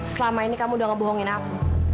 selama ini kamu udah ngebohongin aku